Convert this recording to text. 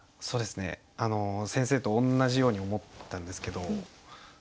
そうですね先生とおんなじように思ったんですけど。